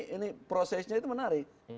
ini prosesnya itu menarik